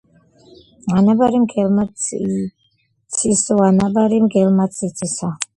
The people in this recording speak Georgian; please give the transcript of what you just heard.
ანაბარი მგელმაც იცისოანაბარი მგელმაც იცისო